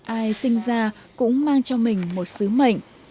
ai sinh ra cũng mang cho mình một sứ mệnh